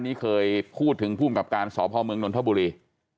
นี้เคยพูดถึงผู้มกลับการสภยกระเบียงนลพบุรี